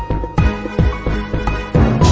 ก็เลยใจเลยนะครับ